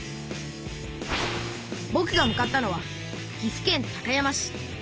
ぼくが向かったのは岐阜県高山市。